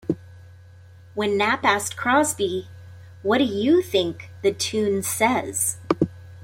When Knapp asked Crosby, What do you think the tune says?